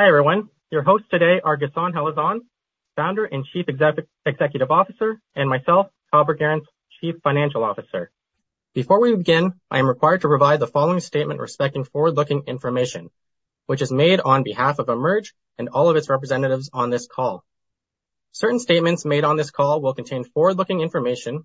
Hi everyone. Your hosts today are Ghassan Halazon, Founder and Chief Executive Officer, and myself, Kyle Burt-Gerrans, Chief Financial Officer. Before we begin, I am required to provide the following statement respecting forward-looking information, which is made on behalf of EMERGE Commerce and all of its representatives on this call. Certain statements made on this call will contain forward-looking information.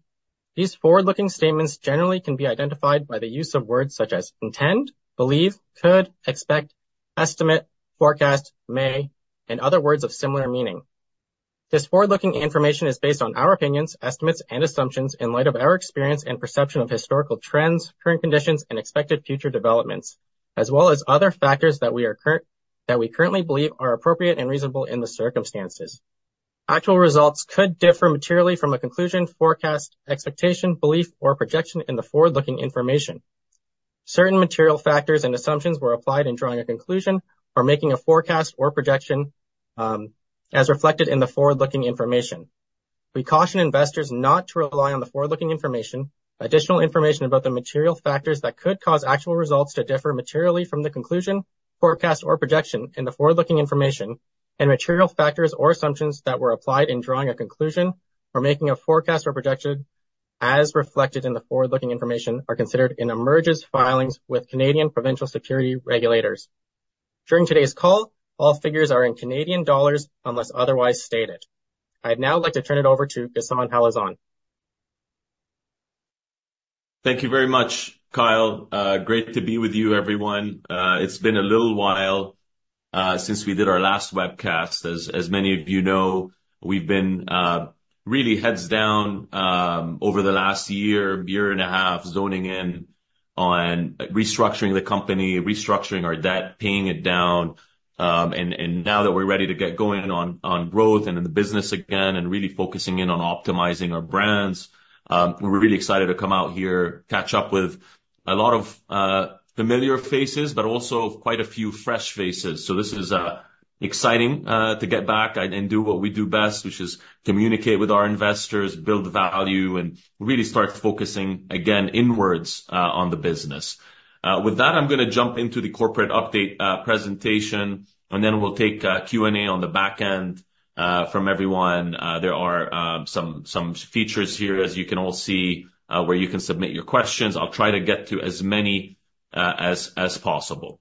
These forward-looking statements generally can be identified by the use of words such as intend, believe, could, expect, estimate, forecast, may, and other words of similar meaning. This forward-looking information is based on our opinions, estimates, and assumptions in light of our experience and perception of historical trends, current conditions, and expected future developments, as well as other factors that we currently believe are appropriate and reasonable in the circumstances. Actual results could differ materially from a conclusion, forecast, expectation, belief, or projection in the forward-looking information. Certain material factors and assumptions were applied in drawing a conclusion or making a forecast or projection as reflected in the forward-looking information. We caution investors not to rely on the forward-looking information, additional information about the material factors that could cause actual results to differ materially from the conclusion, forecast, or projection in the forward-looking information, and material factors or assumptions that were applied in drawing a conclusion or making a forecast or projection as reflected in the forward-looking information are considered in EMERGE Commerce's filings with Canadian provincial securities regulators. During today's call, all figures are in Canadian dollars unless otherwise stated. I'd now like to turn it over to Ghassan Halazon. Thank you very much, Kyle. Great to be with you, everyone. It's been a little while since we did our last webcast. As many of you know, we've been really heads down over the last year, year and a half, zoning in on restructuring the company, restructuring our debt, paying it down. And now that we're ready to get going on growth and in the business again and really focusing in on optimizing our brands, we're really excited to come out here, catch up with a lot of familiar faces but also quite a few fresh faces. So this is exciting to get back and do what we do best, which is communicate with our investors, build value, and really start focusing, again, inwards on the business. With that, I'm going to jump into the corporate update presentation, and then we'll take Q&A on the back end from everyone. There are some features here, as you can all see, where you can submit your questions. I'll try to get to as many as possible.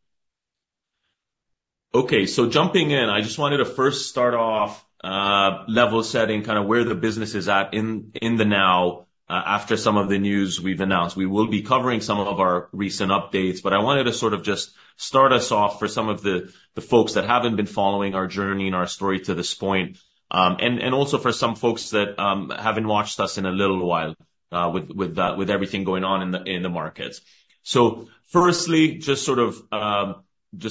Okay, so jumping in, I just wanted to first start off level setting, kind of where the business is at in the now after some of the news we've announced. We will be covering some of our recent updates, but I wanted to sort of just start us off for some of the folks that haven't been following our journey and our story to this point, and also for some folks that haven't watched us in a little while with everything going on in the markets. So firstly, just sort of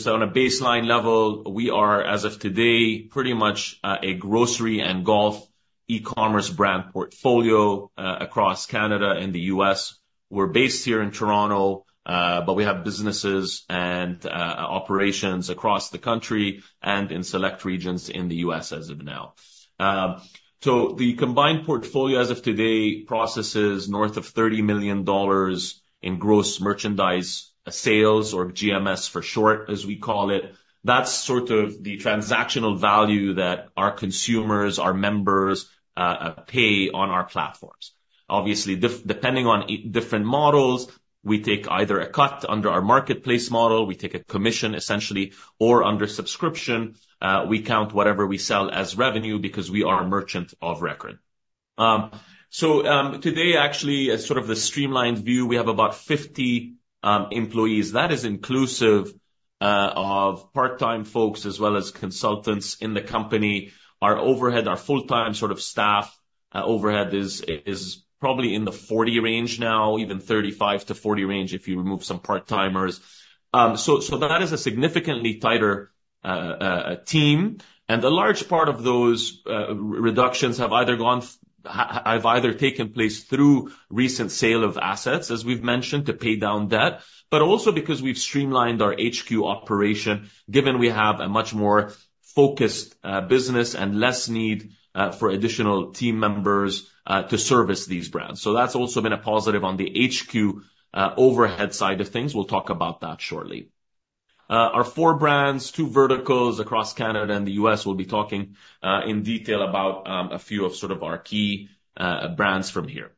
on a baseline level, we are, as of today, pretty much a grocery and golf e-commerce brand portfolio across Canada and the U.S. We're based here in Toronto, but we have businesses and operations across the country and in select regions in the U.S. as of now. So the combined portfolio, as of today, processes north of 30 million dollars in gross merchandise sales, or GMS for short, as we call it. That's sort of the transactional value that our consumers, our members, pay on our platforms. Obviously, depending on different models, we take either a cut under our marketplace model, we take a commission, essentially, or under subscription. We count whatever we sell as revenue because we are a Merchant of Record. So today, actually, as sort of the streamlined view, we have about 50 employees. That is inclusive of part-time folks as well as consultants in the company. Our overhead, our full-time sort of staff overhead, is probably in the 40 range now, even 35-40 range if you remove some part-timers. So that is a significantly tighter team. A large part of those reductions have either taken place through recent sale of assets, as we've mentioned, to pay down debt, but also because we've streamlined our HQ operation, given we have a much more focused business and less need for additional team members to service these brands. So that's also been a positive on the HQ overhead side of things. We'll talk about that shortly. Our four brands, two verticals across Canada and the U.S., we'll be talking in detail about a few of sort of our key brands from here.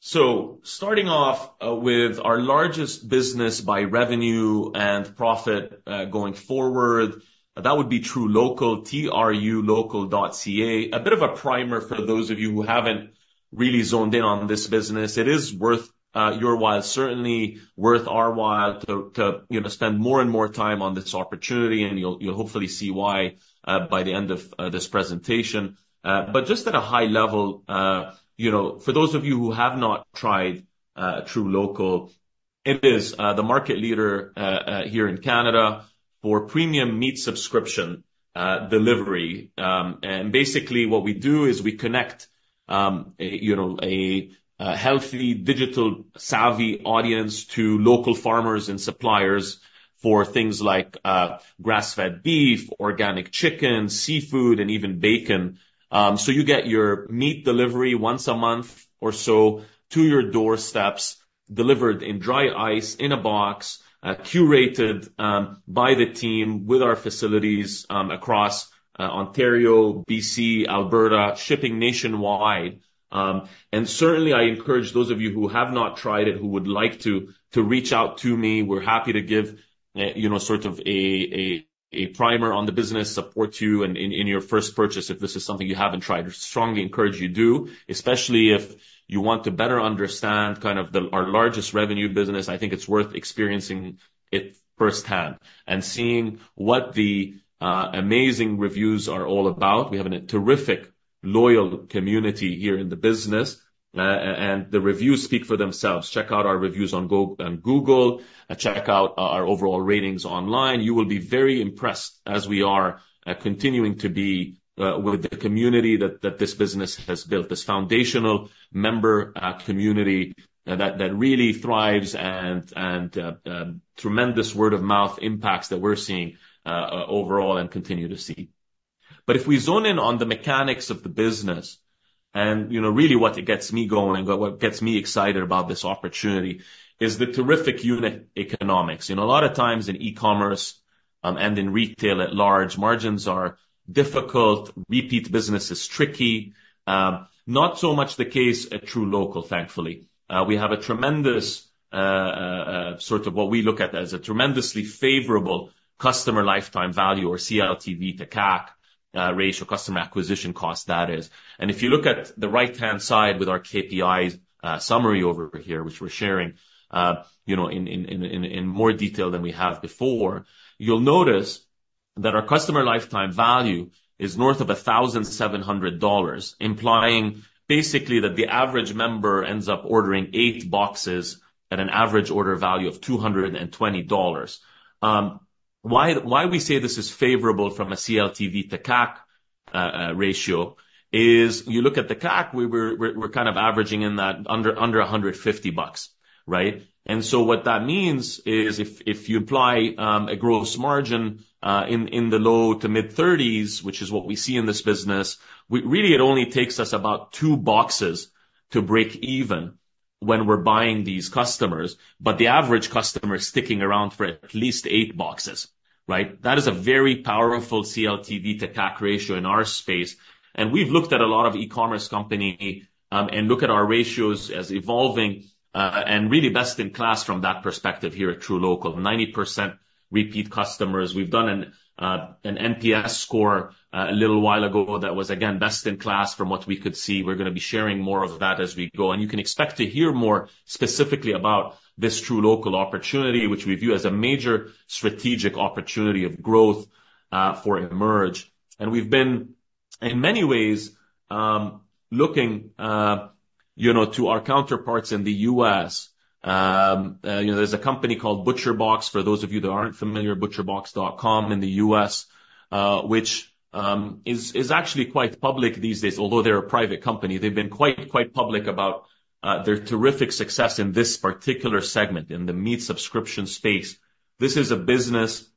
So starting off with our largest business by revenue and profit going forward, that would be truLOCAL, T-R-U-L-O-C-A-L.ca. A bit of a primer for those of you who haven't really zoned in on this business. It is worth your while, certainly worth our while, to spend more and more time on this opportunity, and you'll hopefully see why by the end of this presentation. Just at a high level, for those of you who have not tried truLOCAL, it is the market leader here in Canada for premium meat subscription delivery. Basically, what we do is we connect a healthy, digital-savvy audience to local farmers and suppliers for things like grass-fed beef, organic chicken, seafood, and even bacon. You get your meat delivery once a month or so to your doorsteps, delivered in dry ice, in a box, curated by the team with our facilities across Ontario, BC, Alberta, shipping nationwide. Certainly, I encourage those of you who have not tried it, who would like to, to reach out to me. We're happy to give sort of a primer on the business, support you in your first purchase if this is something you haven't tried. We strongly encourage you to do, especially if you want to better understand kind of our largest revenue business. I think it's worth experiencing it firsthand and seeing what the amazing reviews are all about. We have a terrific, loyal community here in the business, and the reviews speak for themselves. Check out our reviews on Google, check out our overall ratings online. You will be very impressed as we are continuing to be with the community that this business has built, this foundational member community that really thrives and tremendous word-of-mouth impacts that we're seeing overall and continue to see. But if we zone in on the mechanics of the business and really what gets me going and what gets me excited about this opportunity is the terrific unit economics. A lot of times in e-commerce and in retail at large, margins are difficult. Repeat business is tricky. Not so much the case at truLOCAL, thankfully. We have a tremendous sort of what we look at as a tremendously favorable customer lifetime value, or CLTV to CAC ratio, Customer Acquisition cost, that is. And if you look at the right-hand side with our KPI summary over here, which we're sharing in more detail than we have before, you'll notice that our customer lifetime value is north of 1,700 dollars, implying basically that the average member ends up ordering eight boxes at an average order value of 220 dollars. Why we say this is favorable from a CLTV to CAC ratio is you look at the CAC, we're kind of averaging in that under 150 bucks, right? And so what that means is if you apply a gross margin in the low- to mid-30s, which is what we see in this business, really, it only takes us about two boxes to break even when we're buying these customers, but the average customer is sticking around for at least eight boxes, right? That is a very powerful CLTV to CAC ratio in our space. And we've looked at a lot of e-commerce companies and look at our ratios as evolving and really best in class from that perspective here at truLOCAL, 90% repeat customers. We've done an NPS score a little while ago that was, again, best in class from what we could see. We're going to be sharing more of that as we go. You can expect to hear more specifically about this truLOCAL opportunity, which we view as a major strategic opportunity of growth for EMERGE Commerce. We've been, in many ways, looking to our counterparts in the U.S. There's a company called ButcherBox, for those of you that aren't familiar, butcherbox.com in the U.S., which is actually quite public these days, although they're a private company. They've been quite, quite public about their terrific success in this particular segment, in the meat subscription space. This is a business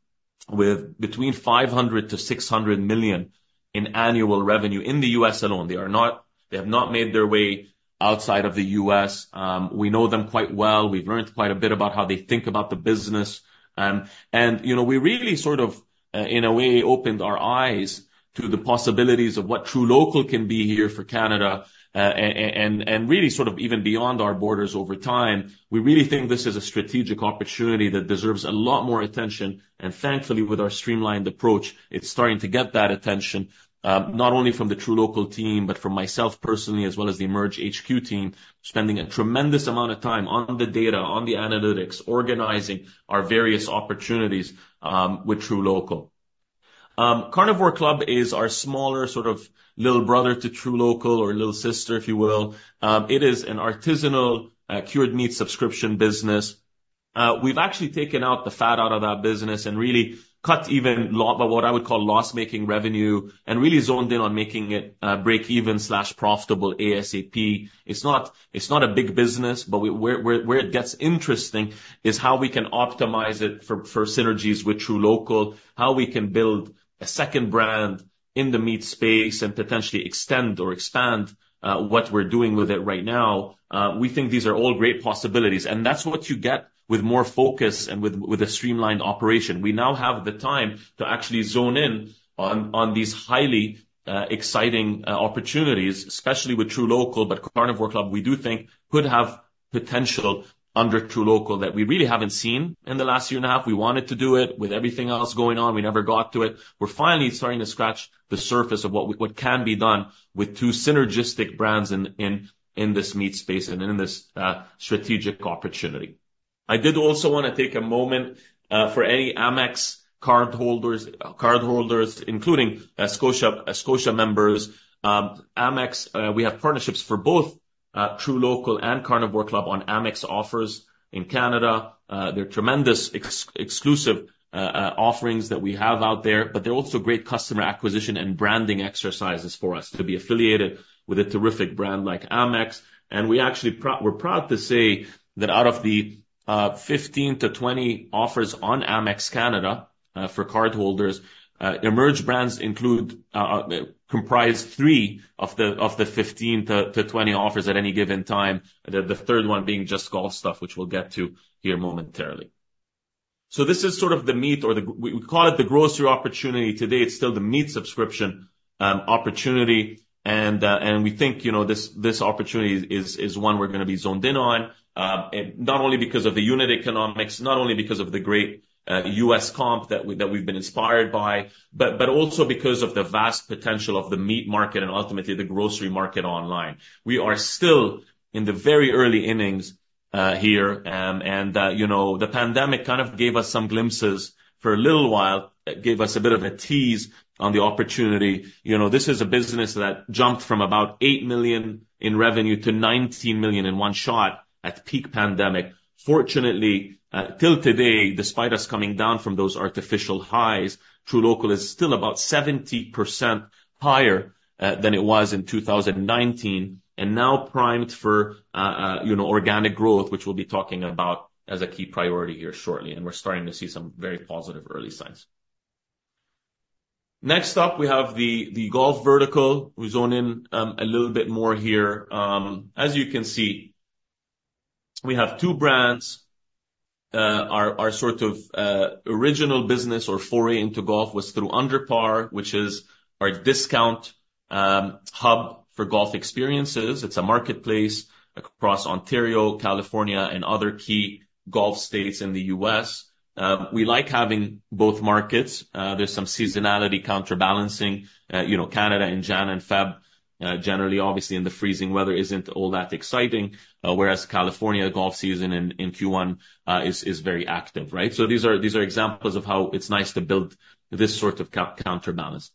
with between $500-$600 million in annual revenue in the U.S. alone. They have not made their way outside of the U.S. We know them quite well. We've learned quite a bit about how they think about the business. We really sort of, in a way, opened our eyes to the possibilities of what truLOCAL can be here for Canada and really sort of even beyond our borders over time. We really think this is a strategic opportunity that deserves a lot more attention. Thankfully, with our streamlined approach, it's starting to get that attention, not only from the truLOCAL team, but from myself personally, as well as the EMERGE Commerce HQ team, spending a tremendous amount of time on the data, on the analytics, organizing our various opportunities with truLOCAL. Carnivore Club is our smaller sort of little brother to truLOCAL or little sister, if you will. It is an artisanal cured meat subscription business. We've actually taken out the fat out of that business and really cut even what I would call loss-making revenue and really zoned in on making it break-even/profitable ASAP. It's not a big business, but where it gets interesting is how we can optimize it for synergies with truLOCAL, how we can build a second brand in the meat space and potentially extend or expand what we're doing with it right now. We think these are all great possibilities, and that's what you get with more focus and with a streamlined operation. We now have the time to actually zone in on these highly exciting opportunities, especially with truLOCAL. But Carnivore Club, we do think, could have potential under truLOCAL that we really haven't seen in the last year and a half. We wanted to do it. With everything else going on, we never got to it. We're finally starting to scratch the surface of what can be done with two synergistic brands in this meat space and in this strategic opportunity. I did also want to take a moment for any Amex cardholders, including Scotia members. Amex, we have partnerships for both truLOCAL and Carnivore Club on Amex Offers in Canada. They're tremendous exclusive offerings that we have out there, but they're also great customer acquisition and branding exercises for us to be affiliated with a terrific brand like Amex. And we're proud to say that out of the 15-20 offers on Amex Canada for cardholders, EMERGE Commerce brands comprise three of the 15-20 offers at any given time, the third one being JustGolfStuff, which we'll get to here momentarily. So this is sort of the meat, or we call it the grocery opportunity today. It's still the meat subscription opportunity. We think this opportunity is one we're going to be zoned in on, not only because of the unit economics, not only because of the great U.S. comp that we've been inspired by, but also because of the vast potential of the meat market and ultimately the grocery market online. We are still in the very early innings here, and the pandemic kind of gave us some glimpses for a little while, gave us a bit of a tease on the opportunity. This is a business that jumped from about 8 million in revenue to 19 million in one shot at peak pandemic. Fortunately, till today, despite us coming down from those artificial highs, truLOCAL is still about 70% higher than it was in 2019 and now primed for organic growth, which we'll be talking about as a key priority here shortly. We're starting to see some very positive early signs. Next up, we have the golf vertical. We'll zone in a little bit more here. As you can see, we have two brands. Our sort of original business or foray into golf was through UnderPar, which is our discount hub for golf experiences. It's a marketplace across Ontario, California, and other key golf states in the U.S. We like having both markets. There's some seasonality counterbalancing. Canada and January and February, generally, obviously, in the freezing weather, isn't all that exciting, whereas California golf season in Q1 is very active, right? So these are examples of how it's nice to build this sort of counterbalance.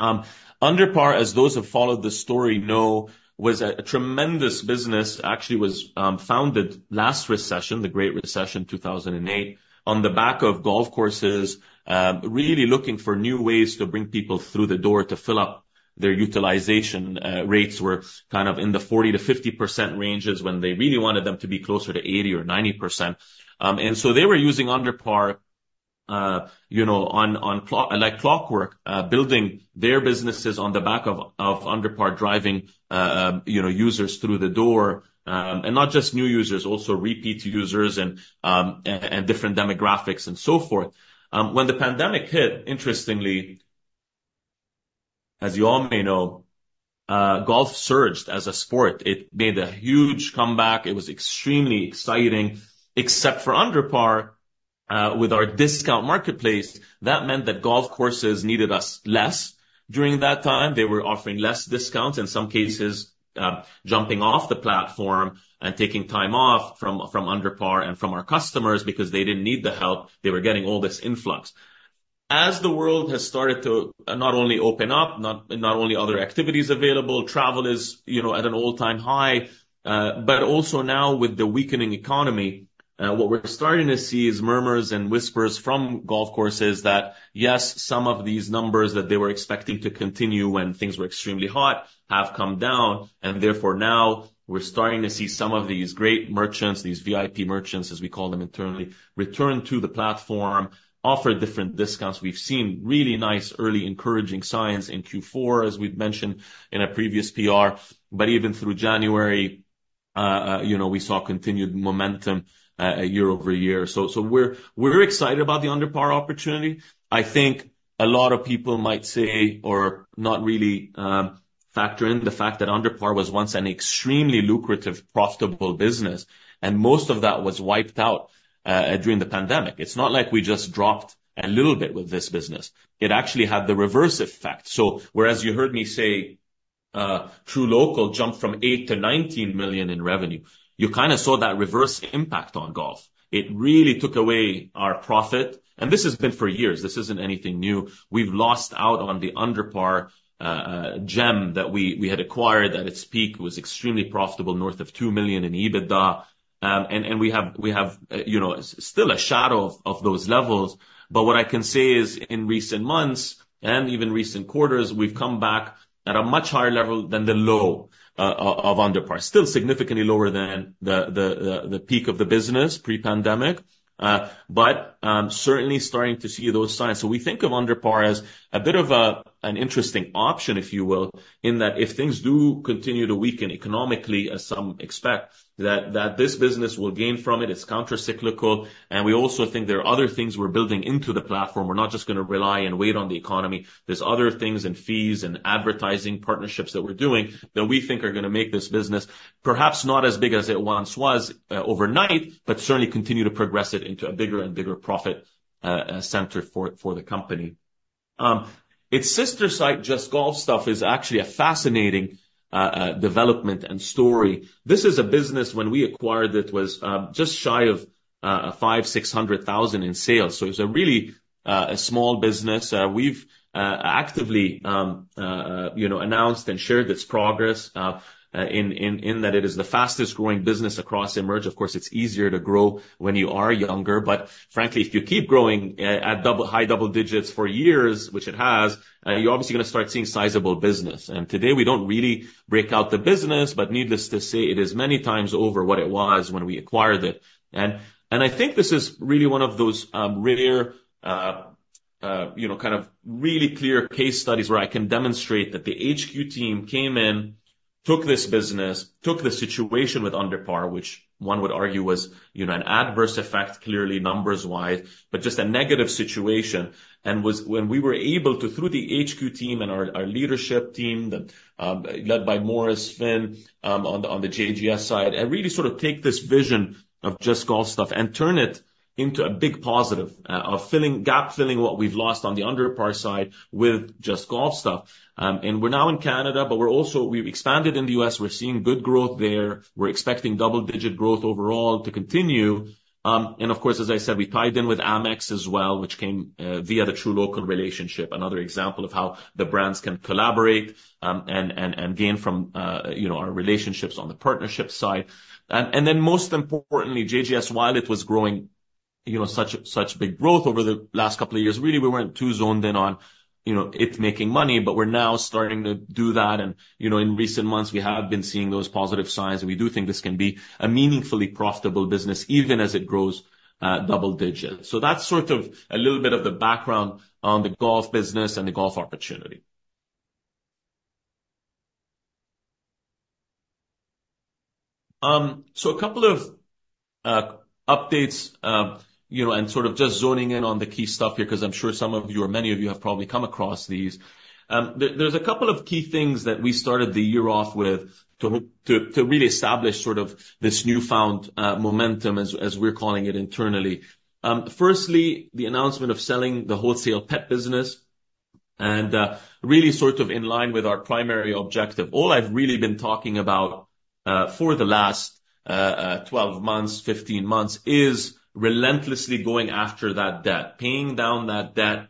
UnderPar, as those who have followed the story know, was a tremendous business, actually was founded last recession, the Great Recession, 2008, on the back of golf courses, really looking for new ways to bring people through the door to fill up their utilization. Rates were kind of in the 40%-50% ranges when they really wanted them to be closer to 80% or 90%. And so they were using UnderPar like clockwork, building their businesses on the back of UnderPar, driving users through the door, and not just new users, also repeat users and different demographics and so forth. When the pandemic hit, interestingly, as you all may know, golf surged as a sport. It made a huge comeback. It was extremely exciting, except for UnderPar, with our discount marketplace. That meant that golf courses needed us less during that time. They were offering less discounts, in some cases, jumping off the platform and taking time off from UnderPar and from our customers because they didn't need the help. They were getting all this influx. As the world has started to not only open up, not only other activities available, travel is at an all-time high, but also now with the weakening economy, what we're starting to see is murmurs and whispers from golf courses that, yes, some of these numbers that they were expecting to continue when things were extremely hot have come down. And therefore, now we're starting to see some of these great merchants, these VIP merchants, as we call them internally, return to the platform, offer different discounts. We've seen really nice early encouraging signs in Q4, as we've mentioned in a previous PR. But even through January, we saw continued momentum year-over-year. So we're excited about the UnderPar opportunity. I think a lot of people might say or not really factor in the fact that UnderPar was once an extremely lucrative, profitable business, and most of that was wiped out during the pandemic. It's not like we just dropped a little bit with this business. It actually had the reverse effect. So whereas you heard me say truLOCAL jumped from 8 million-19 million in revenue, you kind of saw that reverse impact on golf. It really took away our profit. And this has been for years. This isn't anything new. We've lost out on the UnderPar gem that we had acquired at its peak. It was extremely profitable, north of 2 million in EBITDA. And we have still a shadow of those levels. But what I can say is, in recent months and even recent quarters, we've come back at a much higher level than the low of UnderPar, still significantly lower than the peak of the business pre-pandemic, but certainly starting to see those signs. So we think of UnderPar as a bit of an interesting option, if you will, in that if things do continue to weaken economically, as some expect, that this business will gain from it. It's countercyclical. And we also think there are other things we're building into the platform. We're not just going to rely and wait on the economy. There's other things and fees and advertising partnerships that we're doing that we think are going to make this business perhaps not as big as it once was overnight, but certainly continue to progress it into a bigger and bigger profit center for the company. Its sister site, JustGolfStuff, is actually a fascinating development and story. This is a business, when we acquired it, was just shy of 5.6 million in sales. So it's really a small business. We've actively announced and shared its progress in that it is the fastest growing business across EMERGE Commerce. Of course, it's easier to grow when you are younger. But frankly, if you keep growing at high double digits for years, which it has, you're obviously going to start seeing sizable business. And today, we don't really break out the business, but needless to say, it is many times over what it was when we acquired it. And I think this is really one of those rare, kind of really clear case studies where I can demonstrate that the HQ team came in, took this business, took the situation with UnderPar, which one would argue was an adverse effect, clearly numbers-wise, but just a negative situation. And when we were able to, through the HQ team and our leadership team led by Maurice Finn on the JGS side, really sort of take this vision of JustGolfStuff and turn it into a big positive, of gap-filling what we've lost on the UnderPar side with JustGolfStuff. And we're now in Canada, but we've expanded in the U.S. We're seeing good growth there. We're expecting double-digit growth overall to continue. Of course, as I said, we tied in with Amex as well, which came via the truLOCAL relationship, another example of how the brands can collaborate and gain from our relationships on the partnership side. Then most importantly, JGS, while it was growing such big growth over the last couple of years, really, we weren't too zoned in on it making money, but we're now starting to do that. And in recent months, we have been seeing those positive signs. And we do think this can be a meaningfully profitable business, even as it grows double digits. So that's sort of a little bit of the background on the golf business and the golf opportunity. So a couple of updates and sort of just zoning in on the key stuff here, because I'm sure some of you or many of you have probably come across these. There's a couple of key things that we started the year off with to really establish sort of this newfound momentum, as we're calling it internally. Firstly, the announcement of selling the wholesale pet business and really sort of in line with our primary objective. All I've really been talking about for the last 12 months, 15 months, is relentlessly going after that debt, paying down that debt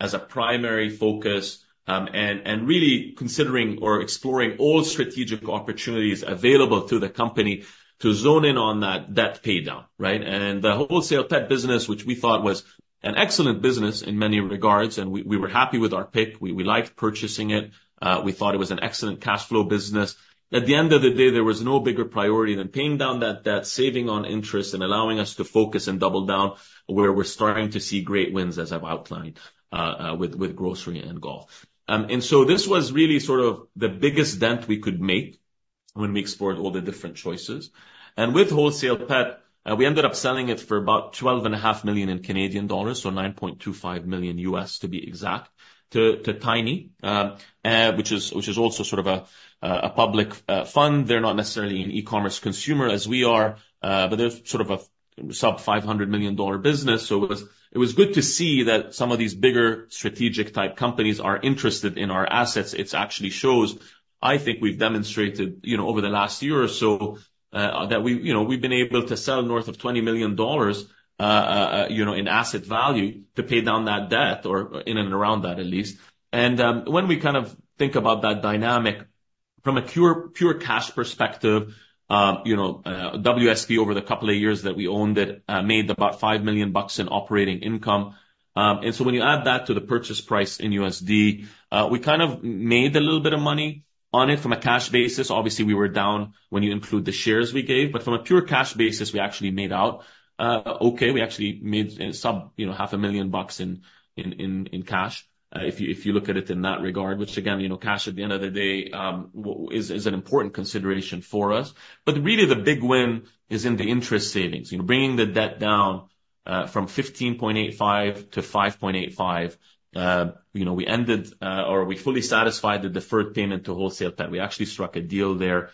as a primary focus, and really considering or exploring all strategic opportunities available to the company to zone in on that debt paydown, right? And the wholesale pet business, which we thought was an excellent business in many regards, and we were happy with our pick. We liked purchasing it. We thought it was an excellent cash flow business. At the end of the day, there was no bigger priority than paying down that debt, saving on interest, and allowing us to focus and double down where we're starting to see great wins, as I've outlined, with grocery and golf. So this was really sort of the biggest dent we could make when we explored all the different choices. With WholesalePet, we ended up selling it for about 12.5 million, so $9.25 million U.S., to be exact, to Tiny, which is also sort of a public fund. They're not necessarily an e-commerce consumer as we are, but they're sort of a sub-$500 million business. So it was good to see that some of these bigger strategic-type companies are interested in our assets. It actually shows, I think we've demonstrated over the last year or so, that we've been able to sell north of $20 million in asset value to pay down that debt or in and around that, at least. And when we kind of think about that dynamic from a pure cash perspective, WSP, over the couple of years that we owned it, made about $5 million in operating income. And so when you add that to the purchase price in USD, we kind of made a little bit of money on it from a cash basis. Obviously, we were down when you include the shares we gave, but from a pure cash basis, we actually made out. Okay, we actually made sub-$500,000 in cash if you look at it in that regard, which, again, cash at the end of the day is an important consideration for us. But really, the big win is in the interest savings, bringing the debt down from $15.85 million to $5.85 million. We ended or we fully satisfied the deferred payment to WholesalePet. We actually struck a deal there.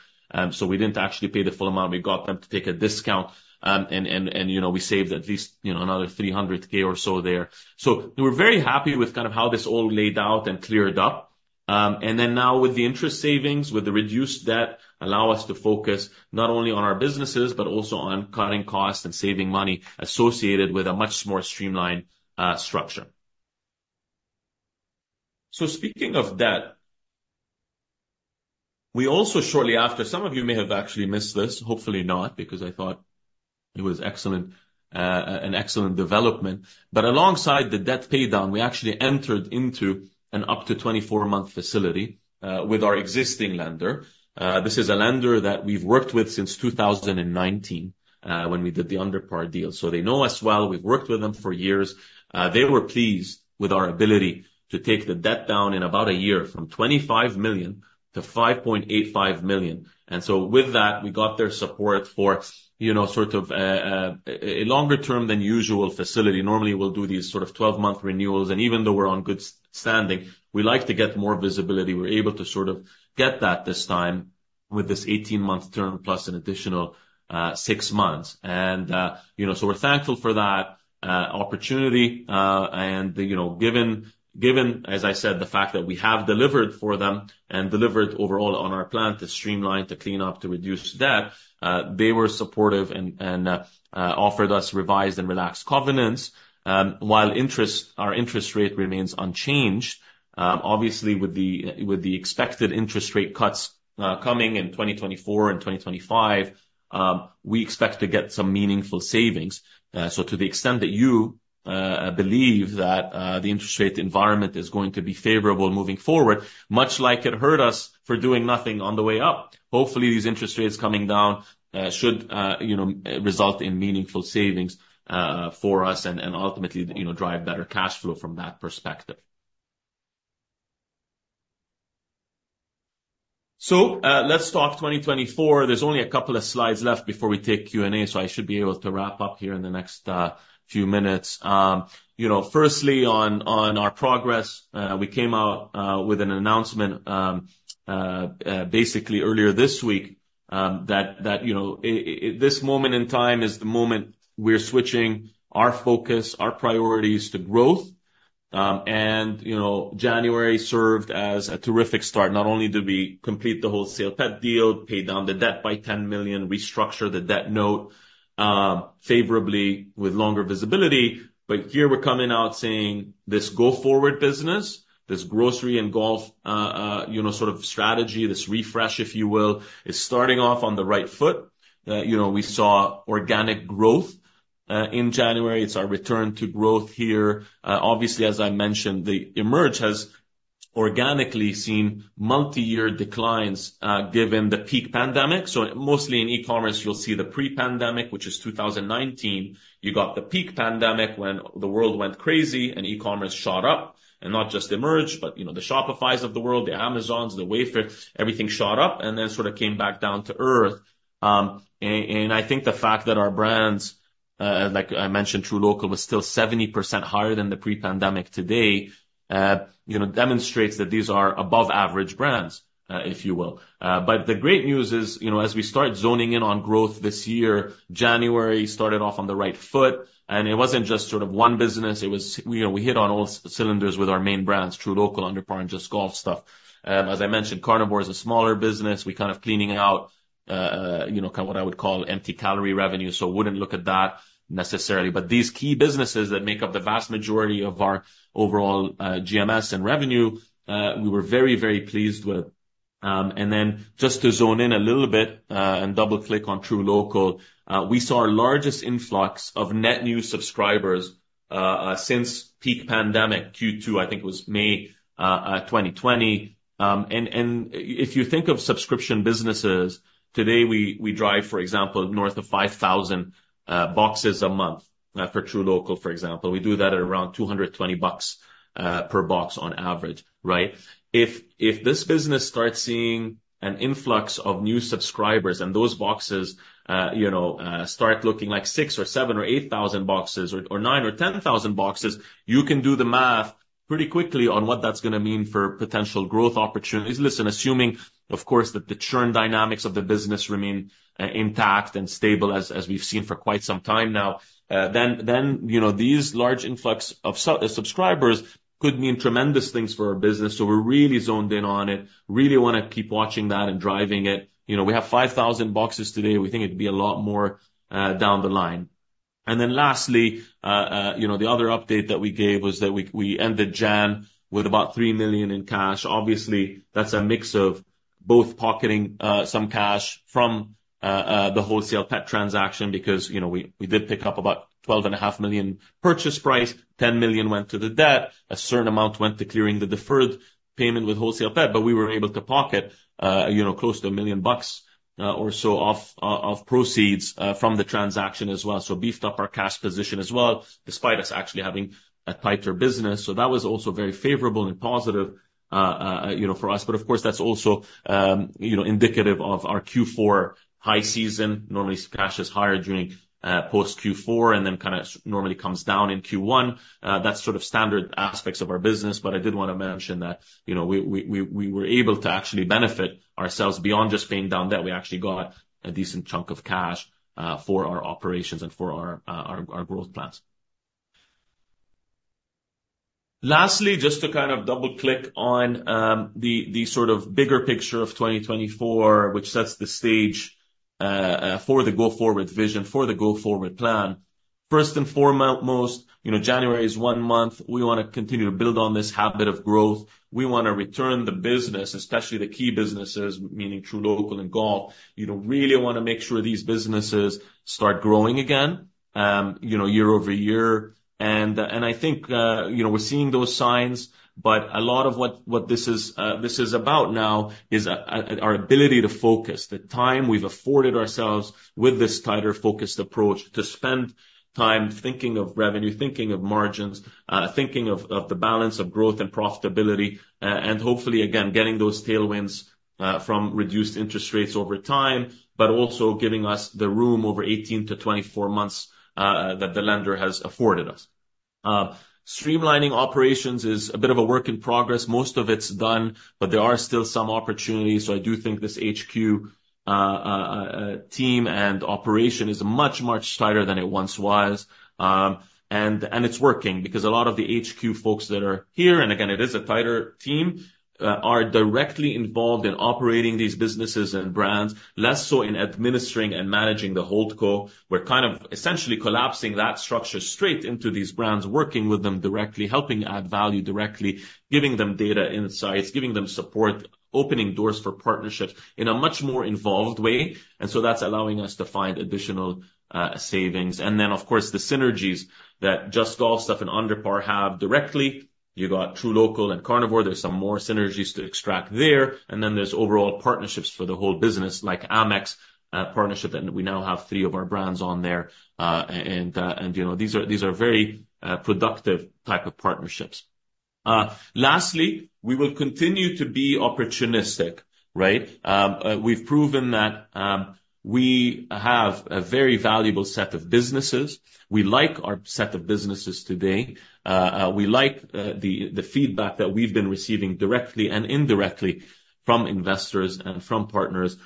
So we didn't actually pay the full amount. We got them to take a discount, and we saved at least another $300,000 or so there. So we're very happy with kind of how this all laid out and cleared up. And then now, with the interest savings, with the reduced debt, allow us to focus not only on our businesses, but also on cutting costs and saving money associated with a much more streamlined structure. Speaking of debt, we also, shortly after, some of you may have actually missed this, hopefully not, because I thought it was an excellent development. Alongside the debt paydown, we actually entered into an up-to-24-month facility with our existing lender. This is a lender that we've worked with since 2019 when we did the UnderPar deal. So they know us well. We've worked with them for years. They were pleased with our ability to take the debt down in about a year from 25 million to 5.85 million. And so with that, we got their support for sort of a longer-term-than-usual facility. Normally, we'll do these sort of 12-month renewals. And even though we're on good standing, we like to get more visibility. We're able to sort of get that this time with this 18-month term plus an additional 6 months. And so we're thankful for that opportunity. And given, as I said, the fact that we have delivered for them and delivered overall on our plan to streamline, to clean up, to reduce debt, they were supportive and offered us revised and relaxed covenants while our interest rate remains unchanged. Obviously, with the expected interest rate cuts coming in 2024 and 2025, we expect to get some meaningful savings. So to the extent that you believe that the interest rate environment is going to be favorable moving forward, much like it hurt us for doing nothing on the way up, hopefully, these interest rates coming down should result in meaningful savings for us and ultimately drive better cash flow from that perspective. So let's talk 2024. There's only a couple of slides left before we take Q&A, so I should be able to wrap up here in the next few minutes. Firstly, on our progress, we came out with an announcement basically earlier this week that this moment in time is the moment we're switching our focus, our priorities to growth. And January served as a terrific start, not only did we complete the WholesalePet deal, pay down the debt by 10 million, restructure the debt note favorably with longer visibility, but here we're coming out saying this go-forward business, this grocery and golf sort of strategy, this refresh, if you will, is starting off on the right foot. We saw organic growth in January. It's our return to growth here. Obviously, as I mentioned, EMERGE Commerce has organically seen multi-year declines given the peak pandemic. So mostly in e-commerce, you'll see the pre-pandemic, which is 2019. You got the peak pandemic when the world went crazy and e-commerce shot up, and not just EMERGE Commerce, but the Shopifys of the world, the Amazons, the Wayfair, everything shot up and then sort of came back down to earth. I think the fact that our brands, like I mentioned, truLOCAL, was still 70% higher than the pre-pandemic today, demonstrates that these are above-average brands, if you will. But the great news is, as we start zoning in on growth this year, January started off on the right foot. It wasn't just sort of one business. We hit on all cylinders with our main brands, truLOCAL, UnderPar, and JustGolfStuff. As I mentioned, Carnivore Club is a smaller business. We're kind of cleaning out kind of what I would call empty calorie revenue, so wouldn't look at that necessarily. But these key businesses that make up the vast majority of our overall GMS and revenue, we were very, very pleased with. And then just to zone in a little bit and double-click on truLOCAL, we saw our largest influx of net new subscribers since peak pandemic, Q2, I think it was May 2020. And if you think of subscription businesses, today, we drive, for example, north of 5,000 boxes a month for truLOCAL, for example. We do that at around 220 bucks per box on average, right? If this business starts seeing an influx of new subscribers and those boxes start looking like 6,000 or 7,000 or 8,000 boxes or 9,000 or 10,000 boxes, you can do the math pretty quickly on what that's going to mean for potential growth opportunities. Listen, assuming, of course, that the churn dynamics of the business remain intact and stable as we've seen for quite some time now, then these large influx of subscribers could mean tremendous things for our business. So we're really zoned in on it, really want to keep watching that and driving it. We have 5,000 boxes today. We think it'd be a lot more down the line. And then lastly, the other update that we gave was that we ended January with about 3 million in cash. Obviously, that's a mix of both pocketing some cash from the WholesalePet transaction because we did pick up about 12.5 million purchase price, 10 million went to the debt, a certain amount went to clearing the deferred payment with WholesalePet, but we were able to pocket close to 1 million bucks or so of proceeds from the transaction as well, so beefed up our cash position as well, despite us actually having a tighter business. That was also very favorable and positive for us. But of course, that's also indicative of our Q4 high season. Normally, cash is higher during post-Q4 and then kind of normally comes down in Q1. That's sort of standard aspects of our business. But I did want to mention that we were able to actually benefit ourselves beyond just paying down debt. We actually got a decent chunk of cash for our operations and for our growth plans. Lastly, just to kind of double-click on the sort of bigger picture of 2024, which sets the stage for the go-forward vision, for the go-forward plan. First and foremost, January is one month. We want to continue to build on this habit of growth. We want to return the business, especially the key businesses, meaning truLOCAL and golf. We really want to make sure these businesses start growing again year-over-year. And I think we're seeing those signs. But a lot of what this is about now is our ability to focus, the time we've afforded ourselves with this tighter-focused approach to spend time thinking of revenue, thinking of margins, thinking of the balance of growth and profitability, and hopefully, again, getting those tailwinds from reduced interest rates over time, but also giving us the room over 18 to 24 months that the lender has afforded us. Streamlining operations is a bit of a work in progress. Most of it's done, but there are still some opportunities. So I do think this HQ team and operation is much, much tighter than it once was. And it's working because a lot of the HQ folks that are here - and again, it is a tighter team - are directly involved in operating these businesses and brands, less so in administering and managing the holdco. We're kind of essentially collapsing that structure straight into these brands, working with them directly, helping add value directly, giving them data insights, giving them support, opening doors for partnerships in a much more involved way. And so that's allowing us to find additional savings. And then, of course, the synergies that JustGolfStuff and UnderPar have directly. You got truLOCAL and Carnivore Club. There's some more synergies to extract there. And then there's overall partnerships for the whole business, like Amex partnership, and we now have three of our brands on there. And these are very productive types of partnerships. Lastly, we will continue to be opportunistic, right? We've proven that we have a very valuable set of businesses. We like our set of businesses today. We like the feedback that we've been receiving directly and indirectly from investors and from partners.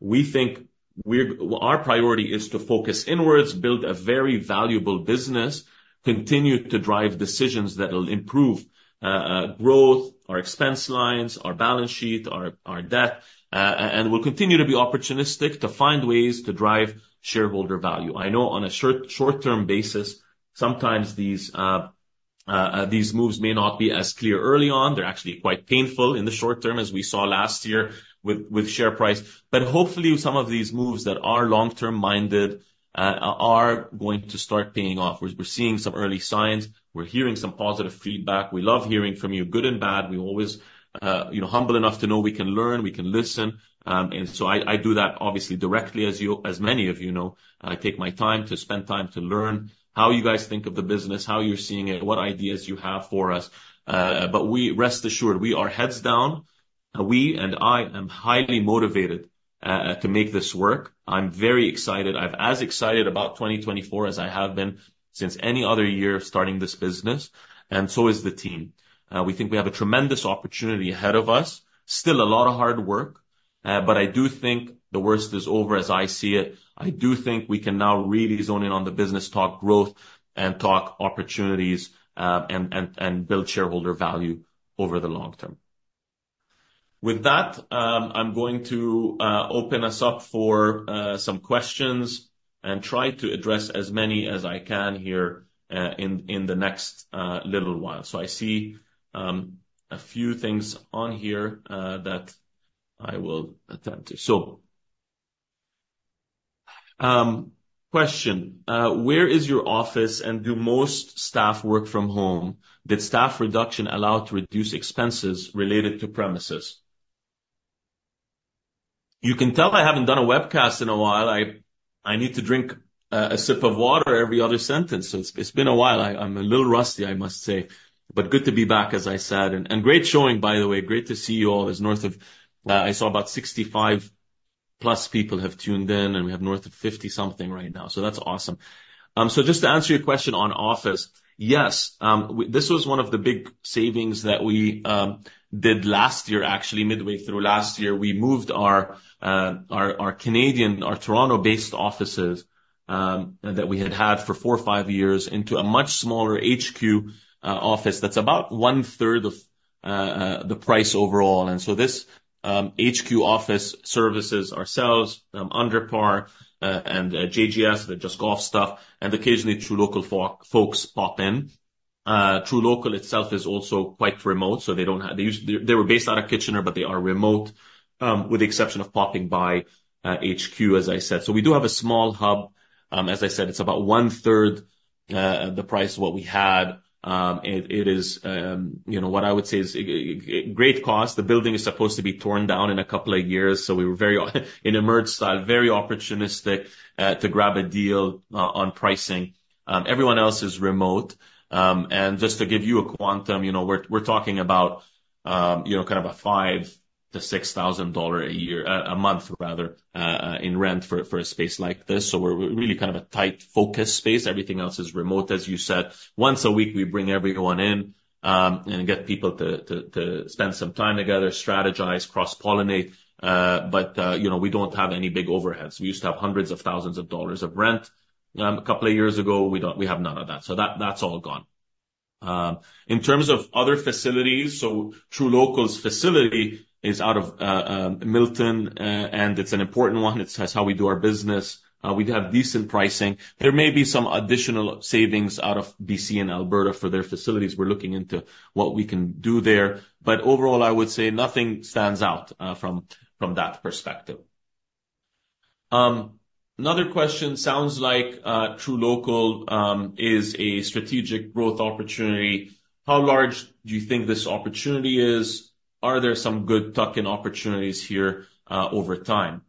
We think our priority is to focus inwards, build a very valuable business, continue to drive decisions that will improve growth, our expense lines, our balance sheet, our debt, and we'll continue to be opportunistic to find ways to drive shareholder value. I know on a short-term basis, sometimes these moves may not be as clear early on. They're actually quite painful in the short term, as we saw last year with share price. But hopefully, some of these moves that are long-term-minded are going to start paying off. We're seeing some early signs. We're hearing some positive feedback. We love hearing from you, good and bad. We're always humble enough to know we can learn. We can listen. And so I do that, obviously, directly, as many of you know. I take my time to spend time to learn how you guys think of the business, how you're seeing it, what ideas you have for us. But rest assured, we are heads down. We and I am highly motivated to make this work. I'm very excited. I'm as excited about 2024 as I have been since any other year starting this business, and so is the team. We think we have a tremendous opportunity ahead of us, still a lot of hard work. But I do think the worst is over, as I see it. I do think we can now really zone in on the business, talk growth, and talk opportunities, and build shareholder value over the long term. With that, I'm going to open us up for some questions and try to address as many as I can here in the next little while. So, I see a few things on here that I will attempt to. So, question: where is your office and do most staff work from home? Did staff reduction allow to reduce expenses related to premises? You can tell I haven't done a webcast in a while. I need to drink a sip of water every other sentence. So it's been a while. I'm a little rusty, I must say, but good to be back, as I said. And great showing, by the way. Great to see you all. I saw about 65-plus people have tuned in, and we have north of 50-something right now. So that's awesome. So just to answer your question on office, yes, this was one of the big savings that we did last year, actually, midway through last year. We moved our Canadian, our Toronto-based offices that we had had for four or five years into a much smaller HQ office that's about one-third of the price overall. So this HQ office services ourselves, UnderPar, and JGS, the JustGolfStuff, and occasionally truLOCAL folks pop in. truLOCAL itself is also quite remote, so they don't have they were based out of Kitchener, but they are remote, with the exception of popping by HQ, as I said. We do have a small hub. As I said, it's about one-third of the price of what we had. It is what I would say is great cost. The building is supposed to be torn down in a couple of years. We were very in EMERGE style, very opportunistic to grab a deal on pricing. Everyone else is remote. Just to give you a quantum, we're talking about kind of a 5,000 to 6,000 dollar a year, a month, rather, in rent for a space like this. So we're really kind of a tight-focused space. Everything else is remote, as you said. Once a week, we bring everyone in and get people to spend some time together, strategize, cross-pollinate. But we don't have any big overheads. We used to have hundreds of thousands of CAD of rent a couple of years ago. We have none of that. So that's all gone. In terms of other facilities, truLOCAL's facility is out of Milton, and it's an important one. It's how we do our business. We have decent pricing. There may be some additional savings out of BC and Alberta for their facilities. We're looking into what we can do there. Overall, I would say nothing stands out from that perspective. Another question, sounds like truLOCAL is a strategic growth opportunity. How large do you think this opportunity is? Are there some good tuck-in opportunities here over time?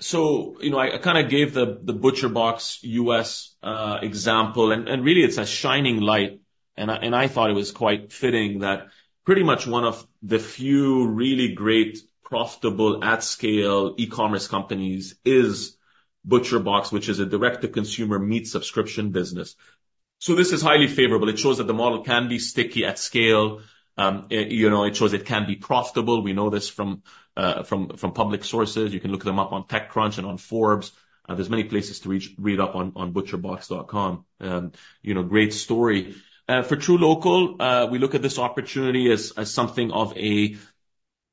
So I kind of gave the ButcherBox U.S. example, and really, it's a shining light. And I thought it was quite fitting that pretty much one of the few really great, profitable, at-scale e-commerce companies is ButcherBox, which is a direct-to-consumer meat subscription business. So this is highly favorable. It shows that the model can be sticky at scale. It shows it can be profitable. We know this from public sources. You can look them up on TechCrunch and on Forbes. There's many places to read up on butcherbox.com. Great story. For truLOCAL, we look at this opportunity as something of a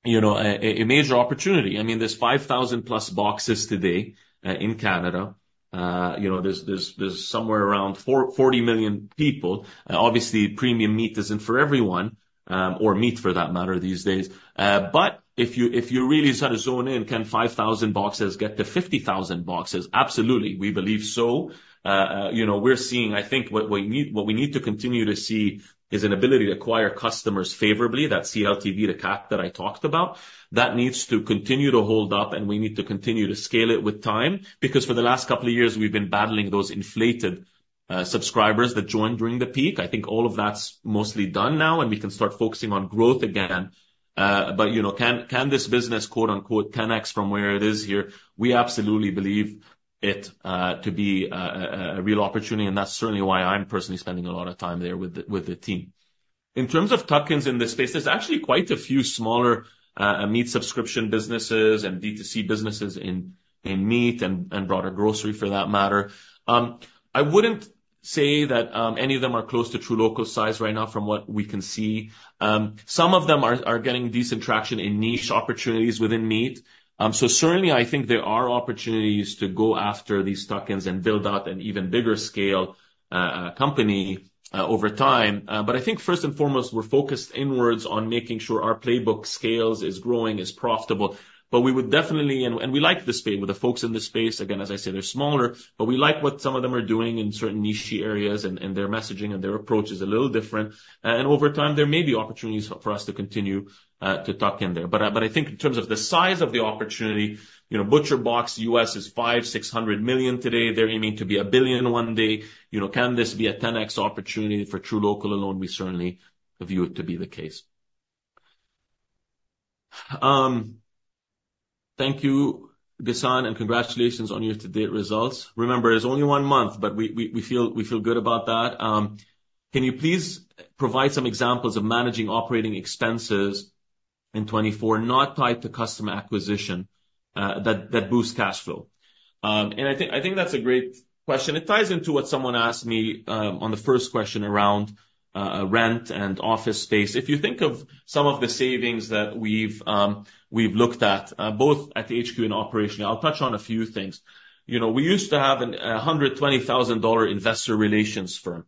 major opportunity. I mean, there's 5,000-plus boxes today in Canada. There's somewhere around 40 million people. Obviously, premium meat isn't for everyone, or meat, for that matter, these days. But if you really sort of zone in, can 5,000 boxes get to 50,000 boxes? Absolutely. We believe so. We're seeing I think what we need to continue to see is an ability to acquire customers favorably, that CLTV, the CAC that I talked about. That needs to continue to hold up, and we need to continue to scale it with time because for the last couple of years, we've been battling those inflated subscribers that joined during the peak. I think all of that's mostly done now, and we can start focusing on growth again. But can this business, quote-unquote, "10x from where it is here"? We absolutely believe it to be a real opportunity, and that's certainly why I'm personally spending a lot of time there with the team. In terms of tuck-ins in this space, there's actually quite a few smaller meat subscription businesses and DTC businesses in meat and broader grocery, for that matter. I wouldn't say that any of them are close to truLOCAL's size right now from what we can see. Some of them are getting decent traction in niche opportunities within meat. So certainly, I think there are opportunities to go after these tuck-ins and build out an even bigger-scale company over time. But I think first and foremost, we're focused inwards on making sure our playbook scales, is growing, is profitable. But we would definitely and we like this space with the folks in this space. Again, as I say, they're smaller, but we like what some of them are doing in certain niche areas, and their messaging and their approach is a little different. Over time, there may be opportunities for us to continue to tuck in there. But I think in terms of the size of the opportunity, ButcherBox US is $560 million today. They're aiming to be $1 billion one day. Can this be a 10x opportunity for truLOCAL alone? We certainly view it to be the case. Thank you, Ghassan, and congratulations on your to-date results. Remember, it's only one month, but we feel good about that. Can you please provide some examples of managing operating expenses in 2024, not tied to customer acquisition, that boost cash flow? And I think that's a great question. It ties into what someone asked me on the first question around rent and office space. If you think of some of the savings that we've looked at, both at the HQ and operationally, I'll touch on a few things. We used to have a 120,000 dollar investor relations firm.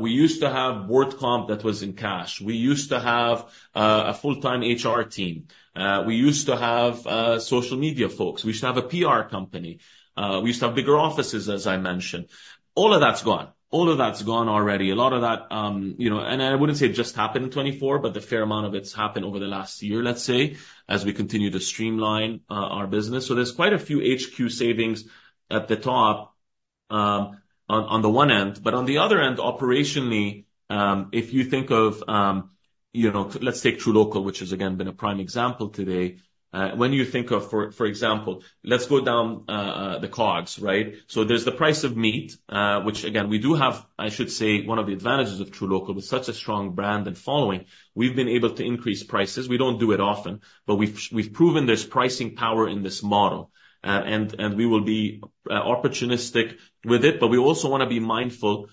We used to have board comp that was in cash. We used to have a full-time HR team. We used to have social media folks. We used to have a PR company. We used to have bigger offices, as I mentioned. All of that's gone. All of that's gone already. A lot of that and I wouldn't say it just happened in 2024, but a fair amount of it's happened over the last year, let's say, as we continue to streamline our business. So there's quite a few HQ savings at the top on the one end. But on the other end, operationally, if you think of let's take truLOCAL, which has, again, been a prime example today. When you think of, for example, let's go down the COGS, right? So there's the price of meat, which, again, we do have, I should say, one of the advantages of truLOCAL with such a strong brand and following. We've been able to increase prices. We don't do it often, but we've proven there's pricing power in this model, and we will be opportunistic with it. But we also want to be mindful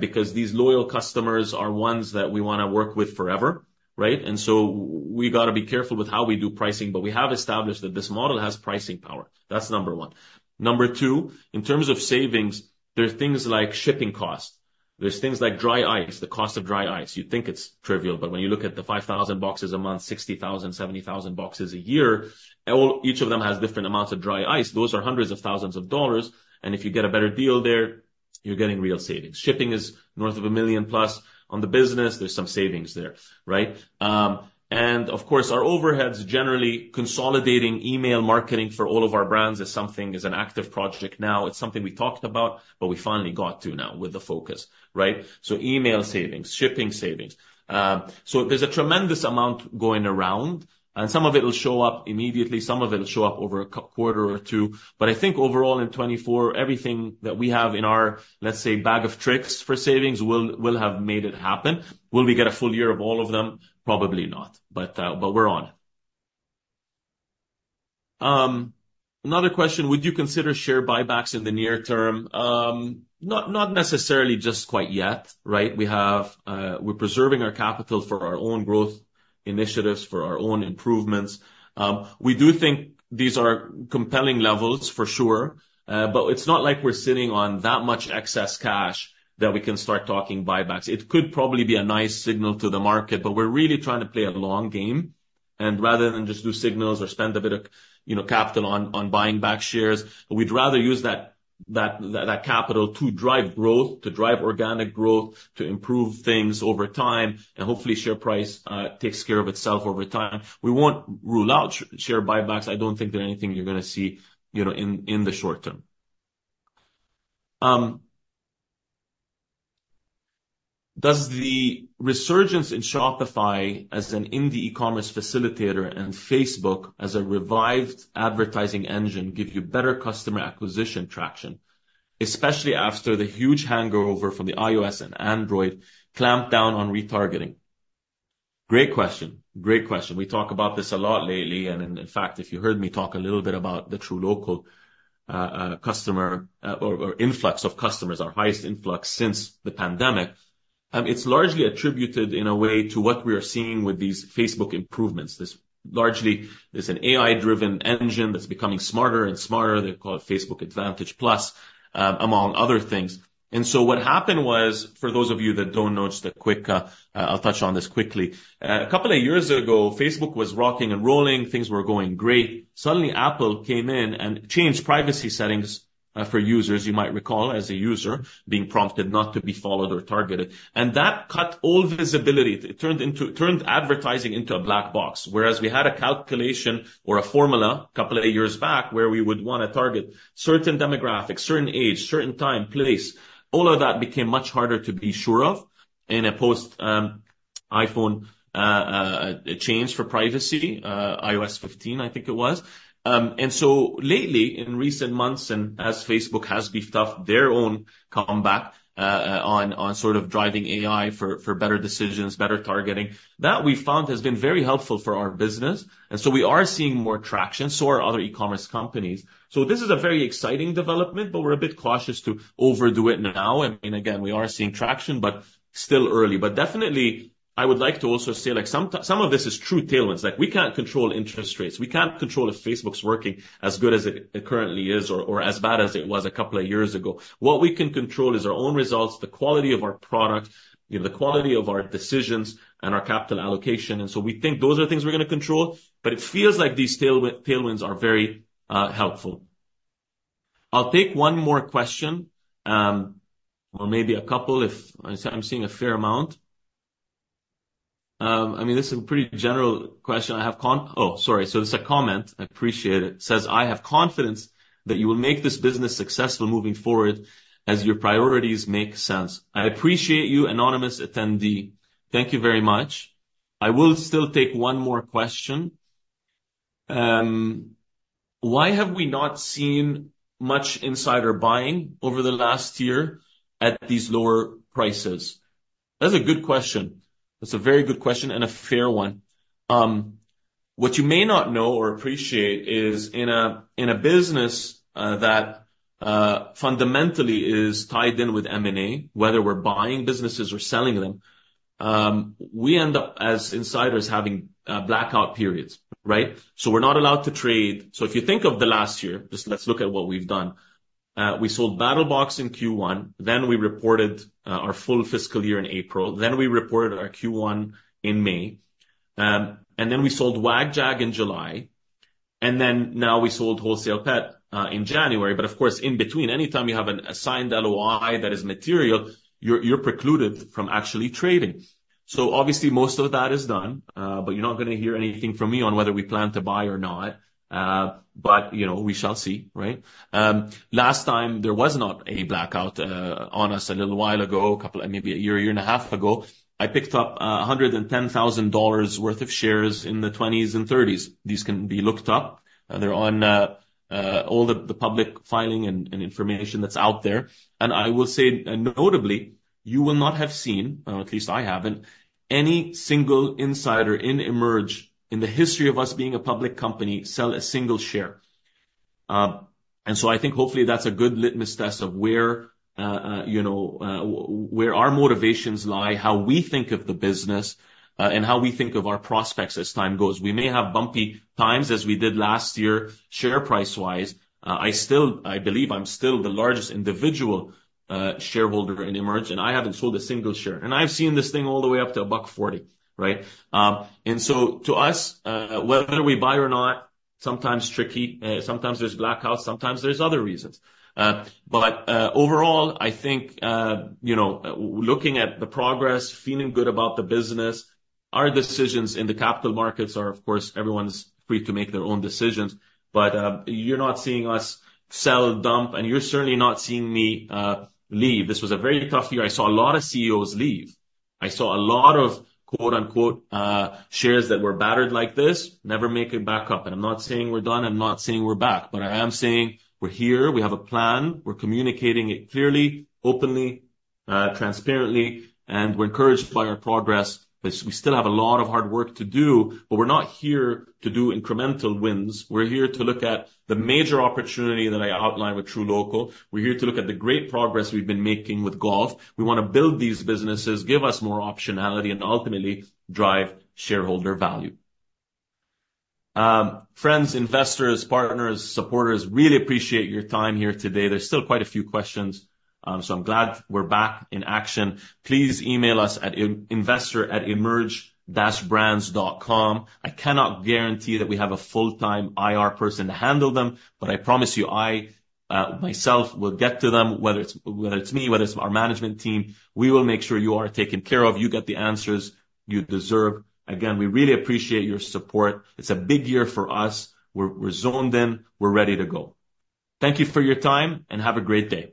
because these loyal customers are ones that we want to work with forever, right? And so we got to be careful with how we do pricing, but we have established that this model has pricing power. That's number one. Number two, in terms of savings, there's things like shipping costs. There's things like dry ice, the cost of dry ice. You think it's trivial, but when you look at the 5,000 boxes a month, 60,000 to 70,000 boxes a year, each of them has different amounts of dry ice. Those are hundreds of thousands of CAD. And if you get a better deal there, you're getting real savings. Shipping is north of 1 million-plus on the business. There's some savings there, right? And of course, our overheads generally consolidating email marketing for all of our brands is something is an active project now. It's something we talked about, but we finally got to now with the focus, right? So email savings, shipping savings. So there's a tremendous amount going around, and some of it will show up immediately. Some of it will show up over a quarter or two. But I think overall, in 2024, everything that we have in our, let's say, bag of tricks for savings will have made it happen. Will we get a full year of all of them? Probably not, but we're on it. Another question, would you consider share buybacks in the near term? Not necessarily just quite yet, right? We're preserving our capital for our own growth initiatives, for our own improvements. We do think these are compelling levels, for sure, but it's not like we're sitting on that much excess cash that we can start talking buybacks. It could probably be a nice signal to the market, but we're really trying to play a long game. Rather than just do signals or spend a bit of capital on buying back shares, we'd rather use that capital to drive growth, to drive organic growth, to improve things over time, and hopefully, share price takes care of itself over time. We won't rule out share buybacks. I don't think there's anything you're going to see in the short term. Does the resurgence in Shopify as an indie e-commerce facilitator and Facebook as a revived advertising engine give you better customer acquisition traction, especially after the huge hangover from the iOS and Android clamped down on retargeting? Great question. Great question. We talk about this a lot lately. In fact, if you heard me talk a little bit about the truLOCAL customer or influx of customers, our highest influx since the pandemic, it's largely attributed in a way to what we are seeing with these Facebook improvements. Largely, it's an AI-driven engine that's becoming smarter and smarter. They call it Facebook Advantage+, among other things. So what happened was, for those of you that don't notice the quick I'll touch on this quickly. A couple of years ago, Facebook was rocking and rolling. Things were going great. Suddenly, Apple came in and changed privacy settings for users, you might recall, as a user being prompted not to be followed or targeted. And that cut all visibility. It turned advertising into a black box, whereas we had a calculation or a formula a couple of years back where we would want to target certain demographics, certain age, certain time, place. All of that became much harder to be sure of in a post-iPhone change for privacy, iOS 15, I think it was. So lately, in recent months, and as Facebook has beefed up their own comeback on sort of driving AI for better decisions, better targeting, that we've found has been very helpful for our business. We are seeing more traction. So are other e-commerce companies. This is a very exciting development, but we're a bit cautious to overdo it now. I mean, again, we are seeing traction, but still early. But definitely, I would like to also say some of this is true tailwinds. We can't control interest rates. We can't control if Facebook's working as good as it currently is or as bad as it was a couple of years ago. What we can control is our own results, the quality of our product, the quality of our decisions, and our capital allocation. And so we think those are things we're going to control, but it feels like these tailwinds are very helpful. I'll take one more question, or maybe a couple if I'm seeing a fair amount. I mean, this is a pretty general question. I have, oh, sorry. So it's a comment. I appreciate it. It says, "I have confidence that you will make this business successful moving forward as your priorities make sense." I appreciate you, anonymous attendee. Thank you very much. I will still take one more question. Why have we not seen much insider buying over the last year at these lower prices? That's a good question. That's a very good question and a fair one. What you may not know or appreciate is in a business that fundamentally is tied in with M&A, whether we're buying businesses or selling them, we end up, as insiders, having blackout periods, right? So we're not allowed to trade. So if you think of the last year, just let's look at what we've done. We sold BattlBox in Q1. Then we reported our full fiscal year in April. Then we reported our Q1 in May. And then we sold WagJag in July. And then now we sold WholesalePet in January. But of course, in between, anytime you have an assigned LOI that is material, you're precluded from actually trading. So obviously, most of that is done, but you're not going to hear anything from me on whether we plan to buy or not. But we shall see, right? Last time, there was not a blackout on us a little while ago, maybe a year, year and a half ago. I picked up 110,000 dollars worth of shares in the 20s and 30s. These can be looked up. They're on all the public filing and information that's out there. And I will say, notably, you will not have seen, at least I haven't, any single insider in EMERGE in the history of us being a public company sell a single share. And so I think, hopefully, that's a good litmus test of where our motivations lie, how we think of the business, and how we think of our prospects as time goes. We may have bumpy times as we did last year share price-wise. I believe I'm still the largest individual shareholder in EMERGE, and I haven't sold a single share. I've seen this thing all the way up to 1.40, right? And so to us, whether we buy or not, sometimes tricky. Sometimes there's blackouts. Sometimes there's other reasons. But overall, I think looking at the progress, feeling good about the business, our decisions in the capital markets are, of course, everyone's free to make their own decisions. But you're not seeing us sell, dump, and you're certainly not seeing me leave. This was a very tough year. I saw a lot of CEOs leave. I saw a lot of, quote-unquote, "shares that were battered like this never make a comeback." And I'm not saying we're done. I'm not saying we're back. But I am saying we're here. We have a plan. We're communicating it clearly, openly, transparently, and we're encouraged by our progress. We still have a lot of hard work to do, but we're not here to do incremental wins. We're here to look at the major opportunity that I outlined with truLOCAL. We're here to look at the great progress we've been making with Golf. We want to build these businesses, give us more optionality, and ultimately drive shareholder value. Friends, investors, partners, supporters, really appreciate your time here today. There's still quite a few questions, so I'm glad we're back in action. Please email us at investor@emerge-brands.com. I cannot guarantee that we have a full-time IR person to handle them, but I promise you, I myself will get to them, whether it's me, whether it's our management team. We will make sure you are taken care of. You get the answers you deserve. Again, we really appreciate your support. It's a big year for us. We're zoned in. We're ready to go. Thank you for your time, and have a great day.